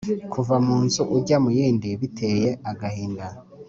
Kuva mu nzu ujya mu yindi biteye agahinda!